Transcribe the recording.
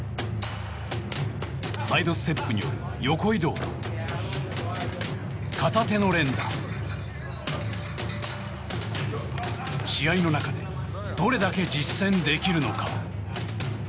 サイドステップによる横移動と片手の連打試合の中でどれだけ実践できるのか？